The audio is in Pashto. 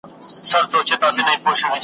که د کلماتو له پلوه ورته وکتل سي .